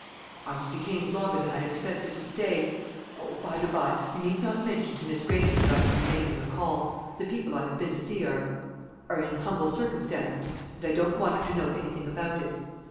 "I was detained longer than I expected to stay. O, by the bye, you need not mention to Miss Granger that I have been making a call. The people I have been to see are are in humble circumstances; and I don't want her to know anything about it."